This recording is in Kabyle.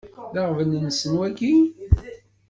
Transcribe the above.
D aɣbel-nsen wagi?